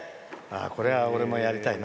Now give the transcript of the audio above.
これは俺もやりたいな。